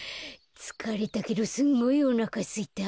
つかれたけどすんごいおなかすいた。